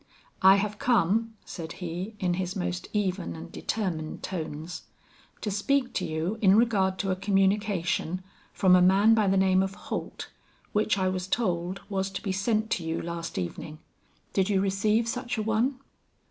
"I have come," said he, in his most even and determined tones, "to speak to you in regard to a communication from a man by the name of Holt, which I was told was to be sent to you last evening. Did you receive such a one?"